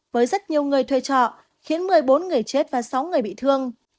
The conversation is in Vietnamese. với rất nhiều người thuê trọ khiến một mươi bốn người chết và sáu người bị thương